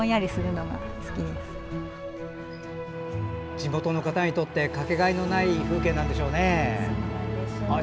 地元の方にとってはかけがえのない風景なんでしょうね。